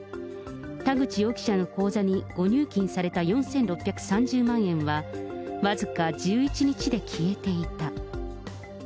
田口容疑者の口座に誤入金された４６３０万円は、僅か１１日で消えていた。